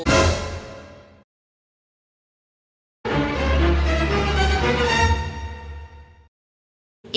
คุณครูคุยกับคนหลายช้อย